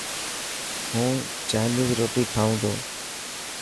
هون چائنيز روٽي کائون تو.